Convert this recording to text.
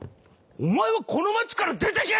お前はこの街から出てけ！